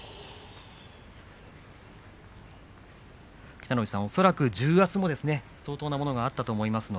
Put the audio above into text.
北の富士さん、恐らく重圧も相当なものがあったと思います。